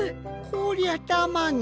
こりゃたまげた。